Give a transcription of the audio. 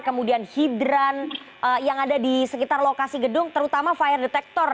kemudian hidran yang ada di sekitar lokasi gedung terutama fire detector